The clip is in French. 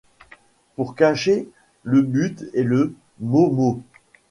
Pour cacher. le but et le, mot mot !